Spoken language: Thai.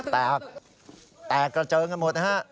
แตกแตกกระเจิงกันหมดนะฮะ